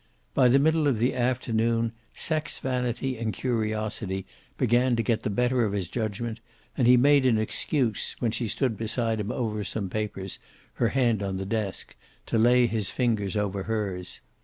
By the middle of the afternoon sex vanity and curiosity began to get the better of his judgment, and he made an excuse, when she stood beside him over some papers, her hand on the desk, to lay his fingers over hers.